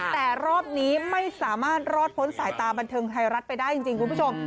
แต่รอบนี้ไม่สามารถรอดพ้นสายตาบันเทิงไทยรัฐไปได้จริงคุณผู้ชม